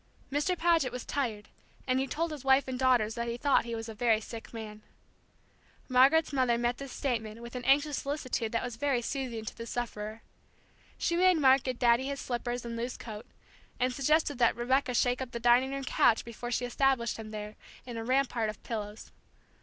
Mr. Paget was tired, and he told his wife and daughters that he thought he was a very sick man. Margaret's mother met this statement with an anxious solicitude that was very soothing to the sufferer. She made Mark get Daddy his slippers and loose coat, and suggested that Rebecca shake up the dining room couch before she established him there, in a rampart of pillows.